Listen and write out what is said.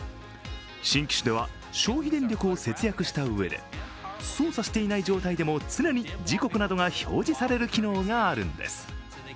新機種では消費電力を節約したうえで操作していないときにも常に時刻などが表示される機能があるんです。